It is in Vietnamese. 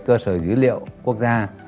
cơ sở dữ liệu quốc gia